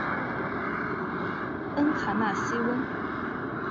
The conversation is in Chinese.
恩卡纳西翁。